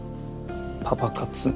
パパ活。